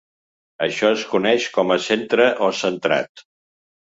Això es coneix com a centre o centrat.